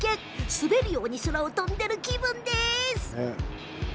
滑るように空を飛んでるみたいな気分です。